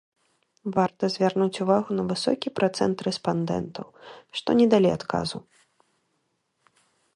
Варта звярнуць увагу на высокі працэнт рэспандэнтаў, што не далі адказу.